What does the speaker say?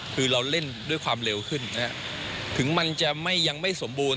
คือเราเล่นด้วยความเร็วขึ้นถึงมันจะไม่ยังไม่สมบูรณ